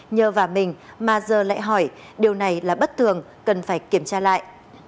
nhờ vào mình mà giờ lại hỏi điều này là bất thường cần phải kiểm tra lại